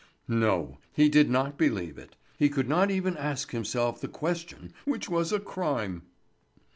No. He did not believe it, he could not even ask himself the question which was a crime!